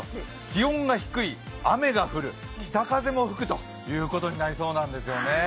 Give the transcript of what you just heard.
気温が低い、雨が降る、北風も吹くということになりそうなんですよね。